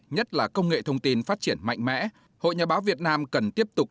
nhất là công nghệ thông tin phát triển mạnh mẽ hội nhà báo việt nam cần tiếp tục